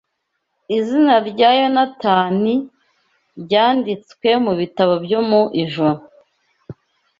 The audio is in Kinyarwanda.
Izina rya Yonatani ryanditswe mu bitabo byo mu ijuru